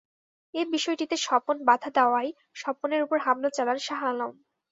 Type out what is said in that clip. এ বিষয়টিতে স্বপন বাধা দেওয়ায় স্বপনের ওপর হামলা চালান শাহ আলম।